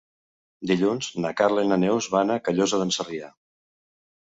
Dilluns na Carla i na Neus van a Callosa d'en Sarrià.